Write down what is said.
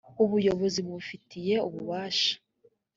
ubuyobozi bubifitiye ububasha